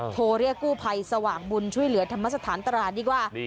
โทรเรียกกู้ภัยสว่างบุญช่วยเหลือธรรมสถานตราดดีกว่า